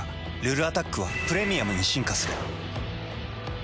「ルルアタック」は「プレミアム」に進化する。